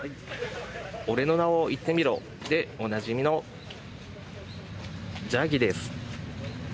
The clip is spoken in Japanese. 俺の名を言ってみろでおなじみのジャギです。